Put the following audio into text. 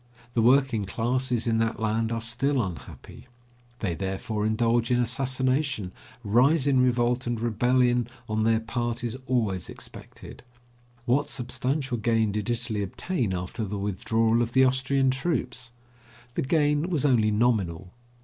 The working classes in that land are still unhappy. They therefore indulge in assassination, rise in revolt, and rebellion on their part is always expected. What substantial gain did Italy obtain after the withdrawal of the Austrian troops? The gain was only nominal.